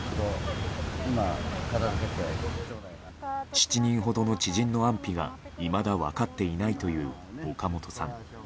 ７人ほどの知人の安否がいまだ分かっていないという岡本さん。